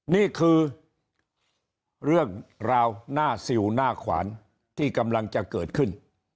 นี่คือเรื่องราวหน้าสิวหน้าขวานที่กำลังจะเกิดขึ้น